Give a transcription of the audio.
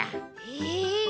へえ。